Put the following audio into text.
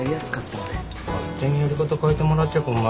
勝手にやり方変えてもらっちゃ困るんだ。